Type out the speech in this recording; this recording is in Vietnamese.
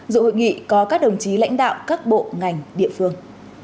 dự hội nghị có các đồng chí lãnh đạo các bộ ngành địa phương